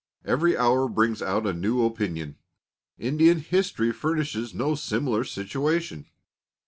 Every hour brings out a new opinion. Indian history furnishes no similar situation.